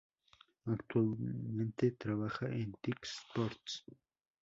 Actualmente trabaja en TyC Sports.